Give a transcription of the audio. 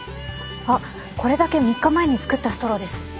あっこれだけ３日前に作ったストローです。